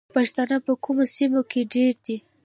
پښتانه په کومو سیمو کې ډیر دي؟